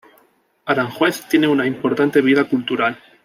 Aranjuez tiene una importante vida cultural.